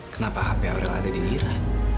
kenapa hp aurel ada di lira